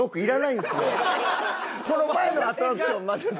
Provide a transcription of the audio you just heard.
この前のアトラクションまでで。